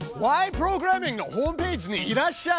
プログラミング」のホームページにいらっしゃい。